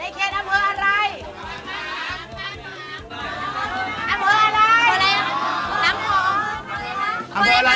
ในเขตอำเภออะไร